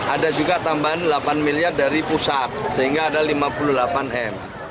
ada juga tambahan delapan miliar dari pusat sehingga ada lima puluh delapan m